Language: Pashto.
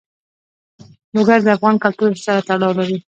لوگر د افغان کلتور سره تړاو لري.